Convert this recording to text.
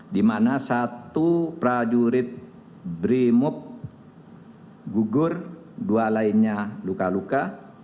di mana satu prajurit brimob gugur dua lainnya luka luka